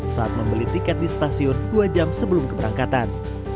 saat membeli tiket di stasiun dua jam sebelum keberangkatan